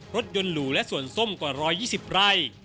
รถยนต์หรูและสวนส้มกว่า๑๒๐ไร่